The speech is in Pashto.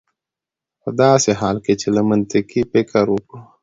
په داسې حال کې چې که منطقي فکر وکړو